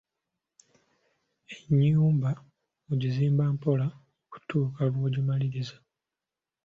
Ennyumba ogizimba mpola okutuuka lw'ogimaliriza.